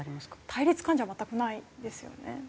対立感情は全くないですよね。